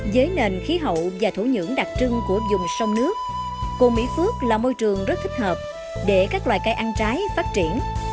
với nền khí hậu và thổ nhưỡng đặc trưng của dùng sông nước cồn mỹ phước là môi trường rất thích hợp để các loài cây ăn trái phát triển